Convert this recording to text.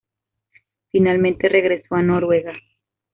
Finalmente regresó a Noruega.